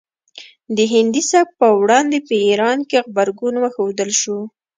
د هندي سبک په وړاندې په ایران کې غبرګون وښودل شو